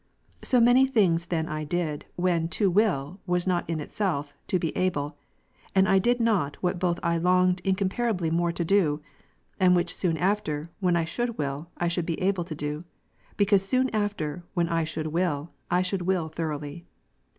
So many things then I did, when "to will" was not in itself " to be able;" and I did not what both I longed incomparably more to do, and which soon after, when I should will, I should be able to do ; because soon after, when I should wull, I should will thoroughly.